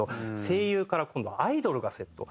声優から今度はアイドルがセット。